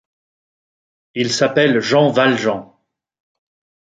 Il s’appelle Jean Valjean.